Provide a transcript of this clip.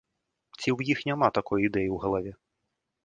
Ці ў іх няма такой ідэі ў галаве?